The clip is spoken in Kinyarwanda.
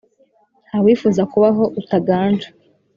Nta wifuza kuba aho utaganje